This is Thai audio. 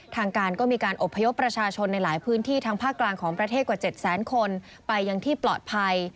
ทางการก็มีการอบพยพประชาชนในหลายพื้นที่ทางภาคกลางของประเทศกว่า๗แสนคนไปยังที่ปลอดภัย